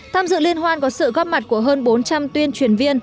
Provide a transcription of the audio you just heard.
tham dự liên hoan có sự góp mặt của hơn bốn trăm linh tuyên truyền viên